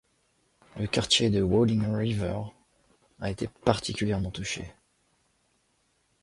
Le quartier de Wading River a été particulièrement touché.